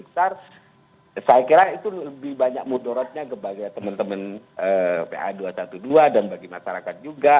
saya kira itu lebih banyak mudaratnya sebagai teman teman pa dua ratus dua belas dan bagi masyarakat juga